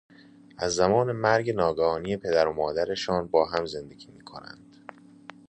از زمان مرگ ناگهانی پدر و مادرشان با هم زندگی می کنند.